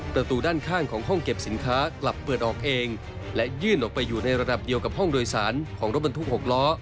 ประตูด้านข้างของห้องเก็บสินค้ากลับเปิดออกเองและยื่นออกไปอยู่ในระดับเดียวกับห้องโดยสารของรถบรรทุก๖ล้อ